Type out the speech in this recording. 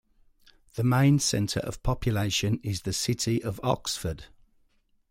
The main centre of population is the city of Oxford.